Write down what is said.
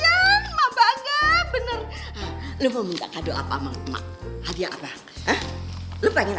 emak bangga bener lu mau minta kado apa emak emak hadiah apa emak emak emak emak emak emak emak